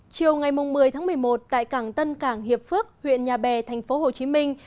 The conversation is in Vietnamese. chiều ngày một mươi tháng một mươi một tại cảng tân cảng hiệp phước huyện nhà bè thành phố hồ chí minh